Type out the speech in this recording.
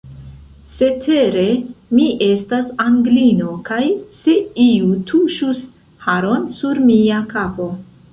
Cetere, mi estas Anglino, kaj se iu tuŝus haron sur mia kapo!